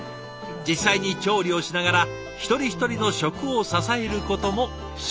実際に調理をしながら一人一人の食を支えることも仕事。